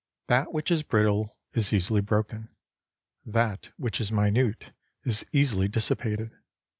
That which is brittle is easily broken ; that which is minute is easily dissipated.